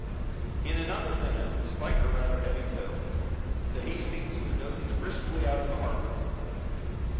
In another minute, despite her rather heavy tow, the "Hastings" was nosing briskly out of the harbor.